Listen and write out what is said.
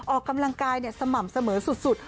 ออกกำลังกายสม่ำเสมอสุด